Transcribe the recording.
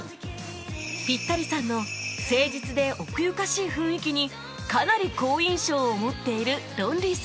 ピッタリさんの誠実で奥ゆかしい雰囲気にかなり好印象を持っているロンリーさん